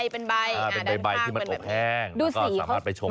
เป็นใบเป็นใบด้านฝั่งเป็นใบที่มันอบแห้ง